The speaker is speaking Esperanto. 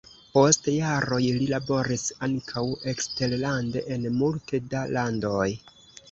Post jaroj li laboris ankaŭ eksterlande en multe da landoj.